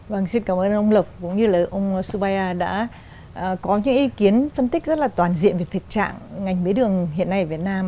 vâng xin cảm ơn ông lộc cũng như là ông subaya đã có những ý kiến phân tích rất là toàn diện về thực trạng ngành mía đường hiện nay ở việt nam